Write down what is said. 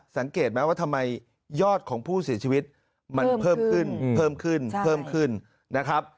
สังเกตไหมว่าทำไมยอดของผู้เสียชีวิตมันเพิ่มขึ้นนะครับ